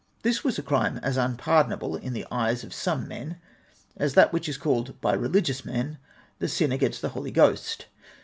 This was a crime as impardonable in the eyes of some men as that which is called by religious men the sin against the Holy Ghost.